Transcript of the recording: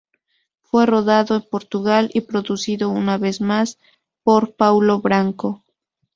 Fue rodado en Portugal y producido, una vez más, por Paulo Branco.